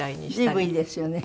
随分いいですよね。